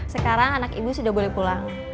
sekarang anak ibu sudah boleh pulang